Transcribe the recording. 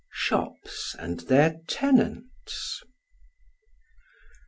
SHOPS AND THEIK TENANTS.